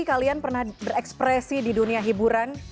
kalian pernah berekspresi di dunia hiburan